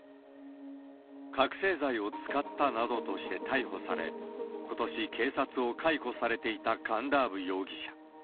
覚醒剤を使ったなどとして逮捕され、ことし、警察を解雇されていたカンラーブ容疑者。